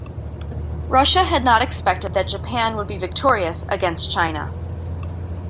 Russia had not expected that Japan would be victorious against China.